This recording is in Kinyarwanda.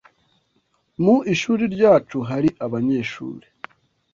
Mu ishuri ryacu hari abanyeshuri